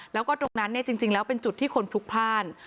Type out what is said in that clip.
แล้วก็ตรงนั้นเป็นจุดที่คนผลุกผ้าน